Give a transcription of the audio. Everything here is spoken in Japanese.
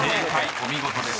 ［お見事です。